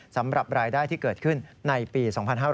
สำหรับรายได้ที่เกิดขึ้นในปี๒๕๕๙